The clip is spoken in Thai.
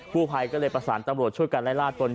ผู้ภัยก็เลยประสานตำรวจช่วยกันไล่ล่าตน